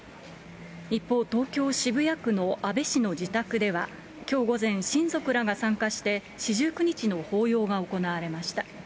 一方、東京・渋谷区の安倍氏の自宅では、きょう午前、親族らが参加して、四十九日の法要が行われました。